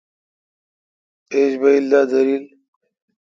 ایج بیل دا دریل۔